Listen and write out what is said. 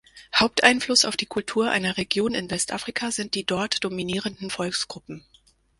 Haupteinfluss auf die Kultur einer Region in Westafrika sind die dort dominierenden Volksgruppen.